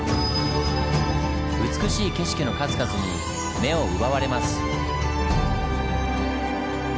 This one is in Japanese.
美しい景色の数々に目を奪われます。